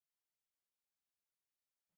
他是英国浸信会差会的创办人之一。